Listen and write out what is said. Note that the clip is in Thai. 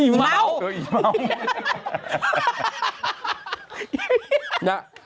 อีเมา